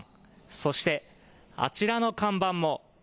そして、あちらの看板も。